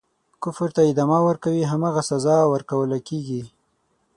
کفر ته ادامه ورکوي هماغه سزا ورکوله کیږي.